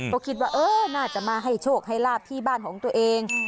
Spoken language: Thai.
ก็คิดว่าเออน่าจะมาให้โชคให้ลาบที่บ้านของตัวเอง